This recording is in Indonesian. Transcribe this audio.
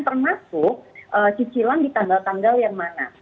termasuk cicilan di tanggal tanggal yang mana